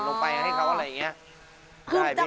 รอดลงไปใส่เขาไรงี้